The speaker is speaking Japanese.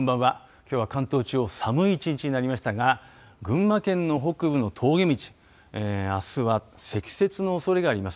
きょうは関東地方、寒い一日になりましたが、群馬県の北部の峠道、あすは積雪のおそれがあります。